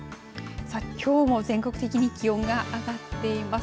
きょうも全国的に気温が上がっています。